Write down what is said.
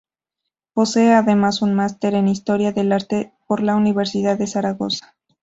Posee además un Máster en Historia del Arte por la Universidad de Zaragoza.